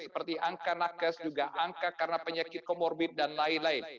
seperti angka nakes juga angka karena penyakit komorbid dan lain lain